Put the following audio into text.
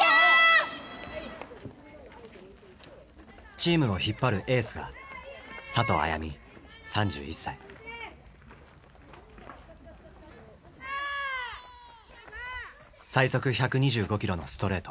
チームを引っ張るエースが最速１２５キロのストレート。